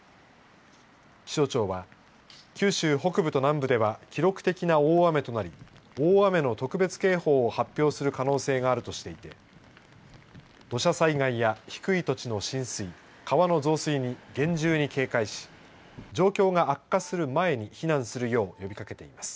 気象庁は、九州北部と南部では記録的な大雨となり大雨の特別警報を発表する可能性があるとしていて土砂災害や低い土地の浸水川の増水に厳重に警戒し状況が悪化する前に避難するよう呼びかけています。